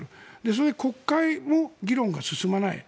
それで国会も議論が進まない。